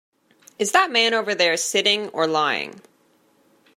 Is that man over there sitting or lying?